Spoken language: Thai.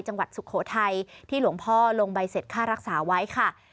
สุโขทัยที่หลวงพ่อลงใบเสร็จค่ารักษาไว้ค่ะ